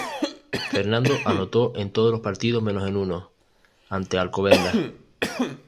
Fernando anotó en todos los partidos menos en uno, ante Alcobendas.